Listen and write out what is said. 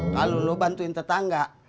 kalau lo bantuin tetangga